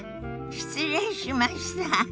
失礼しました。